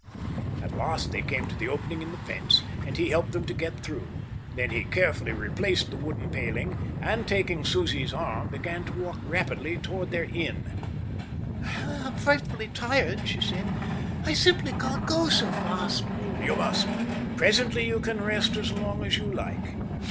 At last they came to the opening in the fence, and he helped them to get through. Then he carefully replaced the wooden paling and, taking Susie's arm began to walk rapidly towards their inn. "I'm frightfully tired," she said. "I simply can't go so fast." "You must. Presently you can rest as long as you like."